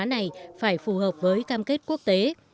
này phải phù hợp với cam kết quốc tế